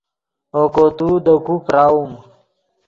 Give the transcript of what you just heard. اوکو تو دے کو پراؤم